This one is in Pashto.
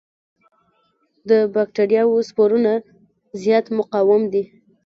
د بکټریاوو سپورونه زیات مقاوم دي.